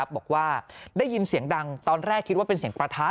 บอกว่าได้ยินเสียงดังตอนแรกคิดว่าเป็นเสียงประทะ